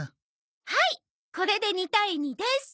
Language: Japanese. はいこれで２対２です。